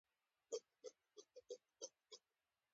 هغه وویل دا مه هیروئ چې مینه مذهبي احساسات دي.